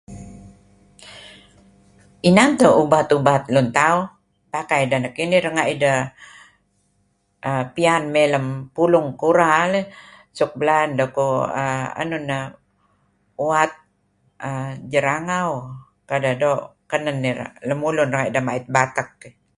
Inan teh ubat-ubat lun tauh pakai dah nekinih renga' ideh uhm pian may lem pulung kura lah suk belaan deh kuh enun enun uhm uwat Jerangau kadeh doo' kanen lemulun renga' mait batek.